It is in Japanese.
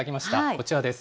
こちらです。